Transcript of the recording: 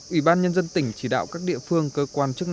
ủy ban nhân dân tỉnh chỉ đạo các địa phương cơ quan chức năng